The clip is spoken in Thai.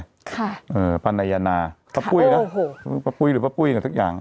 ค่ะค่ะป้านายาณาพระปุ้ยน่ะป้าปุ้ยหรือผ๊าปุ้ยกับทุกอย่าง